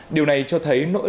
điều này cho thấy nỗi lo